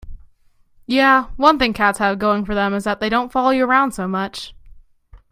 Yeah, one thing cats have going for them is that they don't follow you around so much.